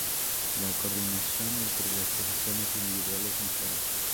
La coordinación entre las posiciones individuales mejora.